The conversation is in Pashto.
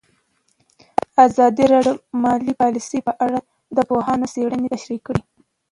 ازادي راډیو د مالي پالیسي په اړه د پوهانو څېړنې تشریح کړې.